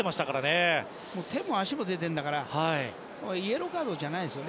手も足も出てるんだからイエローカードじゃないですよ。